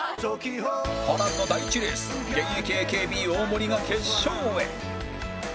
波乱の第１レース現役 ＡＫＢ 大盛が決勝へ